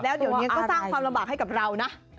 แล้วเดี๋ยวนี้ก็สร้างความลำบากให้กับเรานะ